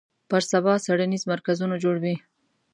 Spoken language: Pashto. پر سبا څېړنیز مرکزونه جوړ وي